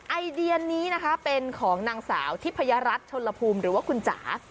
ไอเดียนี้นะคะเป็นของนางสาวทิพยรัฐชนลภูมิหรือว่าคุณจ๋า